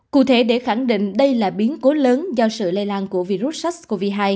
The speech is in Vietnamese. cụ thể để khẳng định đây là biến cố lớn do sự lây lan của virus sars cov hai